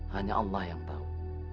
hanya allah yang tahu